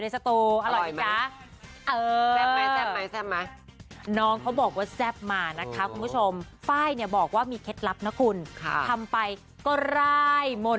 สวดมนต์ไปเลยคุณผู้ชม